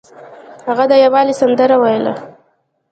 هغه د یووالي سندره ویله.